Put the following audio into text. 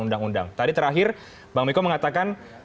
undang undang tadi terakhir bang miko mengatakan